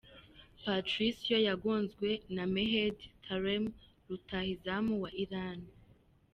Patricio yagonzwe na Mehdi Taremi rutahizamu wa Iran.